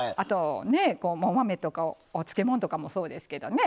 お豆とかお漬物とかもそうですけどね。